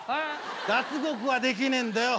脱獄はできねえんだよ。